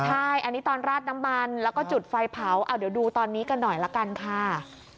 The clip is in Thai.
ใช่อันนี้ตอนราดน้ำมันแล้วก็จุดไฟเผาเอาเดี๋ยวดูตอนนี้กันหน่อยละกันค่ะ